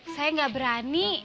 saya gak berani